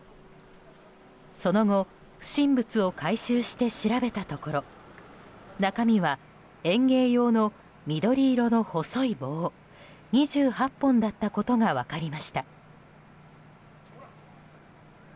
その後、不審物を回収して調べたところ中身は園芸用の緑色の細い棒２８本だったことが分かりました。